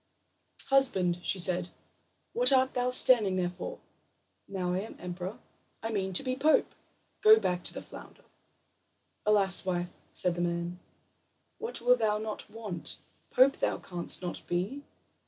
"Husband," she said, "what art thou standing there for? Now I am emperor, I mean to be pope! Go back to the flounder." "Alas, wife," said the man, "what wilt thou not want? Pope thou canst not be.